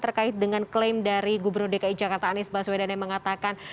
terkait dengan klaim dari gubernur dki jakarta anies baswedan yang mengatakan